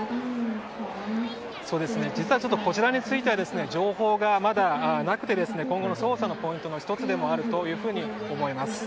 実は、こちらについては情報がまだなくて今後の捜査のポイントの１つでもあると思います。